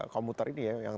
komuter ini ya yang